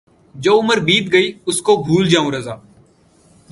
جو عُمر بیت گئی اُس کو بھُول جاؤں رضاؔ